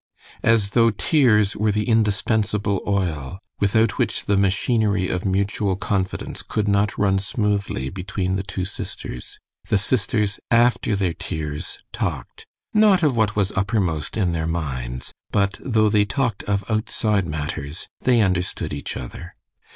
As though tears were the indispensable oil, without which the machinery of mutual confidence could not run smoothly between the two sisters, the sisters after their tears talked, not of what was uppermost in their minds, but, though they talked of outside matters, they understood each other.